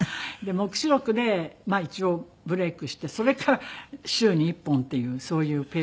『黙示録』でまあ一応ブレークしてそれから週に１本っていうそういうペースになっちゃって。